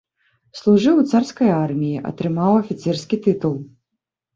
Служыў у царскай арміі, атрымаў афіцэрскі тытул.